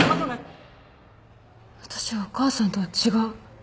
私はお母さんとは違う。